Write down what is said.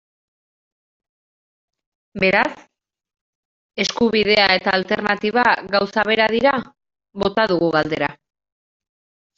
Beraz, eskubidea eta alternatiba gauza bera dira?, bota dugu galdera.